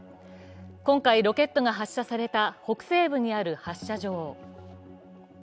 今回、ロケットが発射された北西部にある発射場。